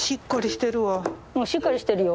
しっかりしてるわ。